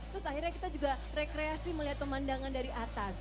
terus akhirnya kita juga rekreasi melihat pemandangan dari atas